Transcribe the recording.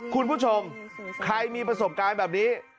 คุณผู้ชมใครมีประสบการณ์แบบนี้